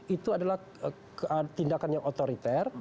itu adalah tindakan yang otoriter